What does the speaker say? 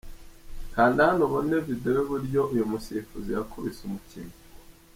Kanda hano ubone video y’uburyo uyu musifuzi yakubise umukinnyi.